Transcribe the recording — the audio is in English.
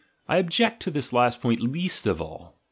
I object to this last point least of all.